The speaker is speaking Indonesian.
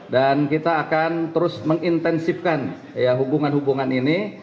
dan kita akan terus mengintensifkan hubungan hubungan ini